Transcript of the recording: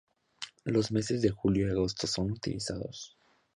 Los meses de julio y agosto son utilizadas.